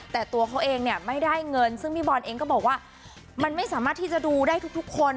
แต่ตัวเขาเองเนี่ยไม่ได้เงินซึ่งพี่บอลเองก็บอกว่ามันไม่สามารถที่จะดูได้ทุกคน